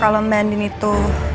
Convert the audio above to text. kalau mba andien itu